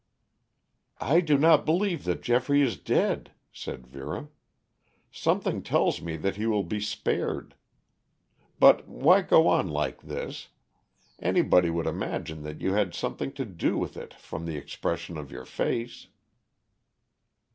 "I do not believe that Geoffrey is dead," said Vera. "Something tells me that he will be spared. But why go on like this? Anybody would imagine that you had something to do with it from the expression of your face."